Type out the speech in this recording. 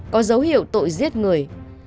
có dấu hiệu tội giết người